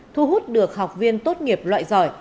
thu hút được học viên tốt nghiệp loại giỏi